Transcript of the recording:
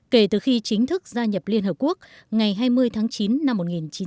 kể từ khi chính thức gia nhập liên hợp quốc ngày hai mươi tháng chín năm một nghìn chín trăm tám mươi hai